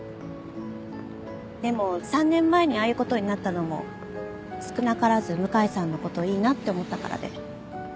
でも３年前にああいうことになったのも少なからず向井さんのこといいなって思ったからで。